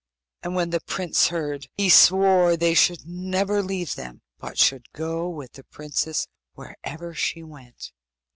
And when the prince heard, he swore they should never leave them, but should go with the princess wherever she went.